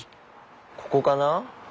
ここかな？